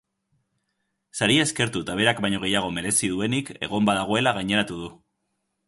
Saria eskertu eta berak baino gehiago merezi duenik egon badagoela gaineratu du.